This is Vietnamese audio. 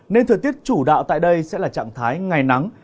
nên thời tiết chủ đạo tại đây sẽ là trạng thái ngày nắng